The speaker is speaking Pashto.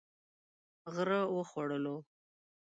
غره و خوړلو.